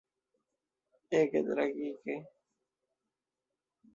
Ege tragike.